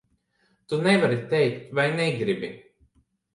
Tu nevari teikt vai negribi?